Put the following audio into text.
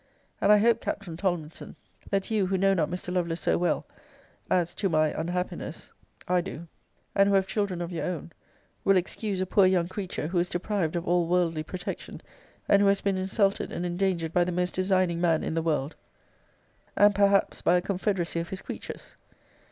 And I hope, Captain Tomlinson, that you, who know not Mr. Lovelace so well, as, to my unhappiness, I do, and who have children of your own, will excuse a poor young creature, who is deprived of all worldly protection, and who has been insulted and endangered by the most designing man in the world, and, perhaps, by a confederacy of his creatures.